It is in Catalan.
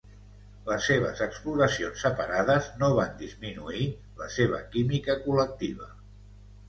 Les seves exploracions separades no van disminuir la seva química col·lectiva.